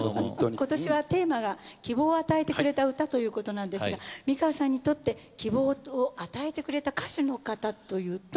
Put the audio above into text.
今年はテーマが希望を与えてくれた歌ということなんですが美川さんにとって希望を与えてくれた歌手の方というと？